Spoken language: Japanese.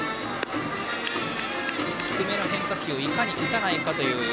低めの変化球をいかに打たないかという。